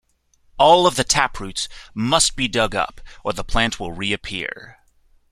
All of the taproots must be dug up, or the plant will reappear.